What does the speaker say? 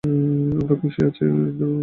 আমার খুশি আছে, কিন্তু ব্যথাও আছে।